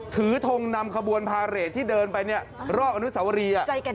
ทงนำขบวนพาเรทที่เดินไปเนี่ยรอบอนุสาวรี